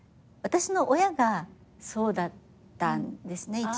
私の親がそうだったんですね。